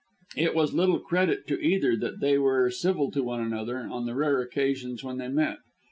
It was little credit to either that they were civil to one another on the rare occasions when they met.